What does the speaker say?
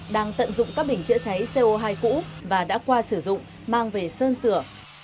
đang tận dụng các bình chữa cháy co hai cũ và đã qua sử dụng mang về sơn sửa